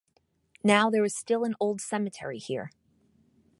Now there is still an old cemetery here.